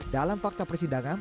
dalam fakta persidangan